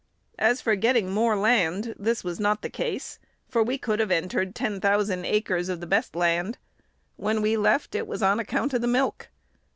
As for getting more land, this was not the case, for we could have entered ten thousand acres of the best land. When we left, it was on account of the milk.